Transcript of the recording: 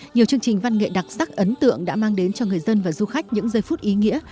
nhiều chương trình văn nghệ đặc sắc ấn tượng đã mang đến cho người dân và du khách những giây phút ý nghĩa